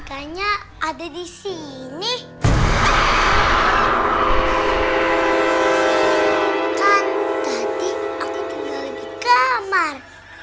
kan tadi aku tinggal dikamar